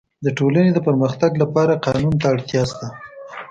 د ټولني د پرمختګ لپاره قانون ته اړتیا سته.